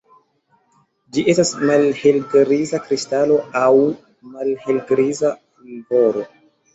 Ĝi estas malhelgriza kristalo aŭ malhelgriza pulvoro.